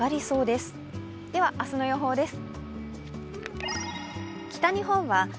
では明日の予報です。